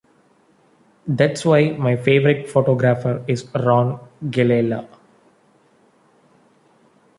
That's why my favorite photographer is Ron Galella.